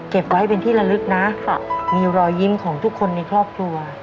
เก็บไว้เป็นที่ละลึกนะมีรอยยิ้มของทุกคนในครอบครัว